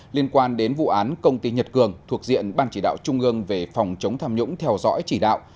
liên quan đến vụ án công ty nhật cường thuộc diện ban chỉ đạo trung ương về phòng chống tham nhũng theo dõi chỉ đạo